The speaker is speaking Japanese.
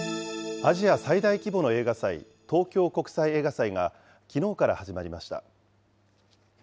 アジア最大規模の映画祭、東京国際映画祭が、きのうから始まりました。